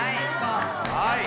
はい。